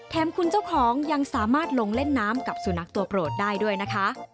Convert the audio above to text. คุณเจ้าของยังสามารถลงเล่นน้ำกับสุนัขตัวโปรดได้ด้วยนะคะ